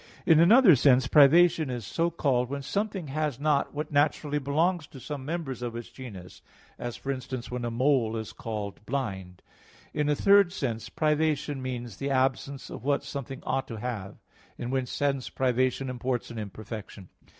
In another sense, privation is so called when something has not what naturally belongs to some members of its genus; as for instance when a mole is called blind. In a third sense privation means the absence of what something ought to have; in which sense, privation imports an imperfection.